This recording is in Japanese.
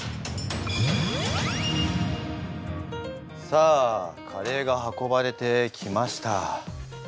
さあカレーが運ばれてきました。